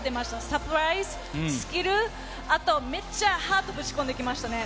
サプライズ、スキル、あと、めっちゃハートぶち込んできましたね。